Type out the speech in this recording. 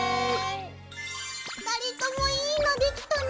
２人ともいいのできたね。